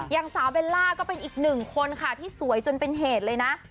อย่างสาวเบลล่าก็เป็นอีกหนึ่งคนค่ะที่สวยจนเป็นเหตุเลยนะ